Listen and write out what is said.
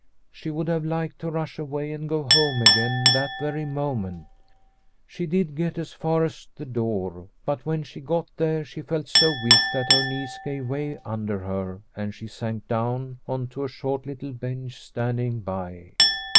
She would have liked to rush away, and go home again that very moment. She did get as far as the door, but when she got there she felt so weak that her knees gave way under her, and she sank down on to a short little bench standing by.